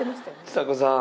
ちさ子さん。